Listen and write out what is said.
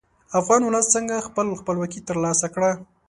افغان ولس څنګه خپله خپلواکي تر لاسه کړه.